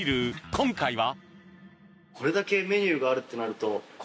今回は。